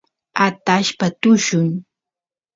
atashpa tullun